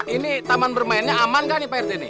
ini taman bermainnya aman gak nih pak rt